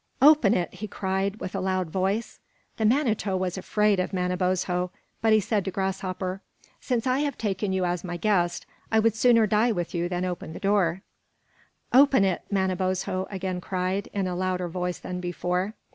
"Open it!" he cried, with a loud voice. The Manito was afraid of Manabozho; but he said to Grasshopper: "Since I have taken you as my guest, I would sooner die with you than open the door." "Open it!" Manabozho again cried, in a louder voice than before.